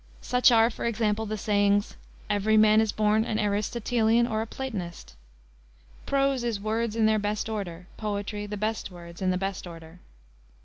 Such are, for example, the sayings: "Every man is born an Aristotelian or a Platonist." "Prose is words in their best order; poetry, the best words in the best order."